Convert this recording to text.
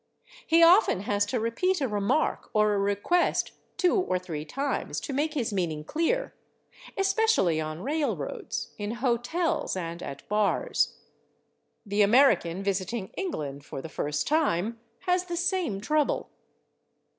He often has to repeat a remark or a request two or three times to make his meaning clear, especially on railroads, in hotels and at bars. The American visiting England for the first time has the same trouble."